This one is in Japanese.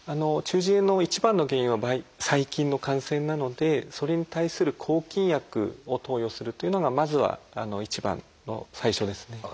中耳炎の一番の原因は細菌の感染なのでそれに対する抗菌薬を投与するというのがまずは一番最初ですね。